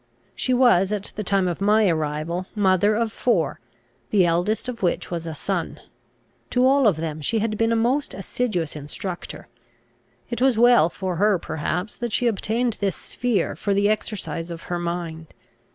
She was, at the time of my arrival, mother of four, the eldest of which was a son. To all of them she had been a most assiduous instructor. It was well for her perhaps that she obtained this sphere for the exercise of her mind.